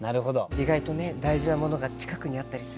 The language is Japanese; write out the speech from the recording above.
意外とね大事なものが近くにあったりするんです。